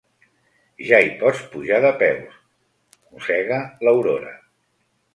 Ja hi pots pujar de peus —mossega l'Aurora—.